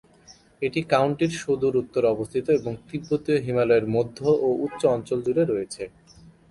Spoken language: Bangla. এটি কাউন্টির সুদূর উত্তরে অবস্থিত এবং তিব্বতীয় হিমালয়ের মধ্য ও উচ্চ অঞ্চল জুড়ে রয়েছে।